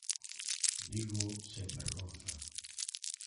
Dígoo sen vergonza.